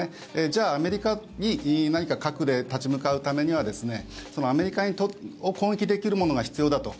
じゃあアメリカに何か核で立ち向かうためにはアメリカを攻撃できるものが必要だと。